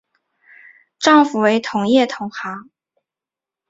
丈夫为同业同行。